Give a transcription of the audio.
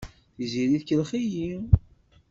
Tiziri tkellex-iyi.